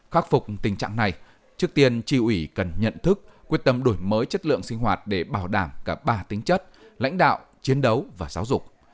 khắc phục tình trạng này trước tiên tri ủy cần nhận thức quyết tâm đổi mới chất lượng sinh hoạt để bảo đảm cả ba tính chất lãnh đạo chiến đấu và giáo dục